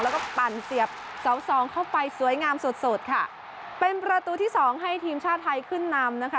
แล้วก็ปั่นเสียบเสาสองเข้าไปสวยงามสดสดค่ะเป็นประตูที่สองให้ทีมชาติไทยขึ้นนำนะคะ